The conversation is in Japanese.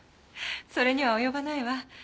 それには及ばないわ。